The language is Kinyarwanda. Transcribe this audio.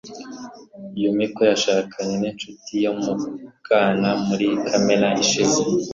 Yumiko yashakanye n'inshuti yo mu bwana muri Kamena ishize.